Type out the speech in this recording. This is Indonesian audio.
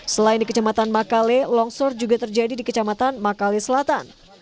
selain di kecamatan makale longsor juga terjadi di kecamatan makale selatan